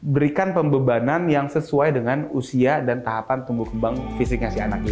berikan pembebanan yang sesuai dengan usia dan tahapan tumbuh kembang fisiknya si anak ini